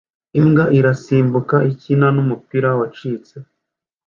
Imbwa irasimbuka ikina numupira wacitse